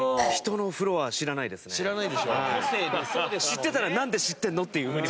知ってたらなんで知ってるの？っていうふうに。